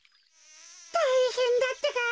たいへんだってか。